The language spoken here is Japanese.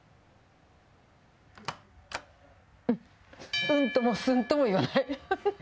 うん、うんともすんとも言わない。